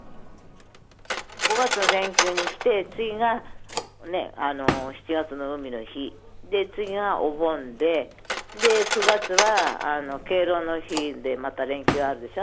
５月の連休に来て、次が７月の海の日、次がお盆で、９月は敬老の日でまた連休あるでしょ。